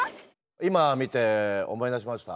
今見て思い出しました。